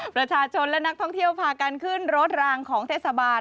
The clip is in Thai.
ประชาชนและนักท่องเที่ยวพากันขึ้นรถรางของเทศบาล